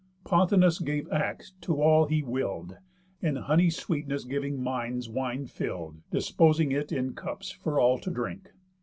Pontonous gave act to all he will'd, And honey sweetness giving minds wine fill'd, Disposing it in cups for all to drink.